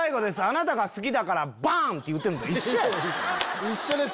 あなたが好きだからバン！って言うてるのと一緒やで！